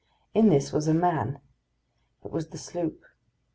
In this was a man. It was the sloop.